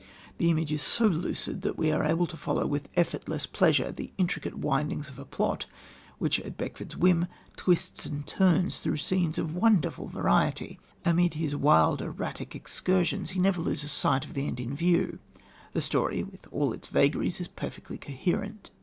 The imagery is so lucid that we are able to follow with effortless pleasure the intricate windings of a plot which at Beckford's whim twists and turns through scenes of wonderful variety. Amid his wild, erratic excursions he never loses sight of the end in view; the story, with all its vagaries, is perfectly coherent.